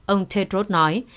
ông tedros nói